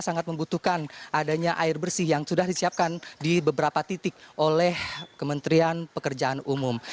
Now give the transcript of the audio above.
sangat membutuhkan adanya air bersih yang sudah disiapkan di beberapa titik oleh kementerian pekerjaan umum